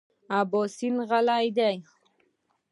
اباسین غلی دی .